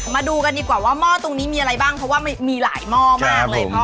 มาดูกันดีกว่าว่าหม้อตรงนี้มีอะไรบ้างเพราะว่ามีหลายหม้อมากเลยพ่อ